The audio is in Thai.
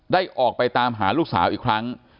ได้ออกไปตามหาลูกสาวอีกครั้ง